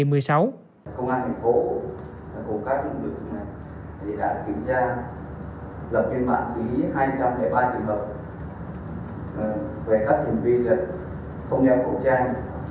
công an tp hcm đã kiểm tra lập viên bản chí hai trăm linh ba trường hợp về các hình vi lực